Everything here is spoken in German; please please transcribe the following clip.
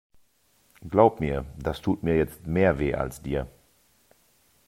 Glaub mir, das tut mir jetzt mehr weh, als dir.